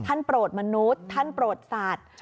โปรดมนุษย์ท่านโปรดสัตว์